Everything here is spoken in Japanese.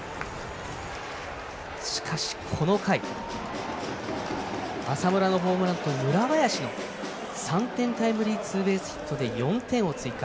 この回浅村のホームランと村林の３点タイムリーツーベースヒットで４点追加。